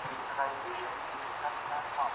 د فابریکو کارګران د ستايني وړ دي.